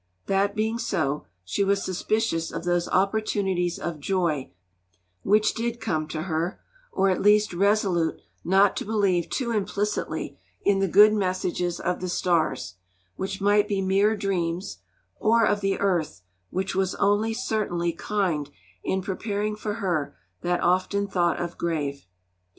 That being so, she was suspicious of those opportunities of joy which did come to her, or at least resolute not to believe too implicitly in the good messages of the stars, which might be mere dreams, or of the earth, which was only certainly kind in preparing for her that often thought of grave.